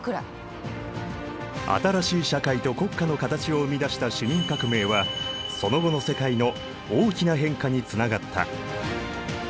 新しい社会と国家の形を生み出した市民革命はその後の世界の大きな変化につながった。